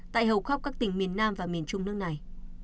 tại hầu khắp các tỉnh miền nam và miền trung nước này